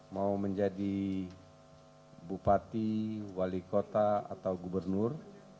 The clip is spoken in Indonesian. mau menjadi bupati wali kota atau gubernur